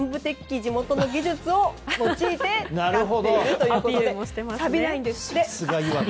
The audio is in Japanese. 地元の技術を用いて作っているとさびないんですって。